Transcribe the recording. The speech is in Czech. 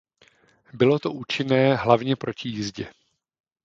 Bylo to účinné hlavně proti jízdě.